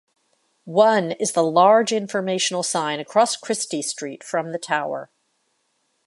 One is the large informational sign across Christie Street from the tower.